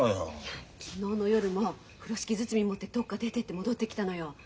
昨日の夜も風呂敷包み持ってどっか出てって戻ってきたのよ。